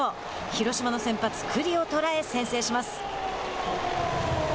広島の先発九里を捉え先制します。